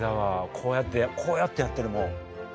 こうやってこうやってやってるもん。